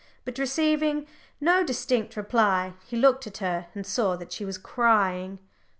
But receiving no distinct reply, he looked at her, and saw that she was crying.